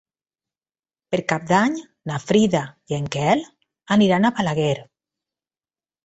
Per Cap d'Any na Frida i en Quel aniran a Balaguer.